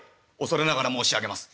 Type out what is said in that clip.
「恐れながら申し上げます。